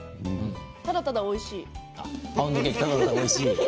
ただただ、おいしい。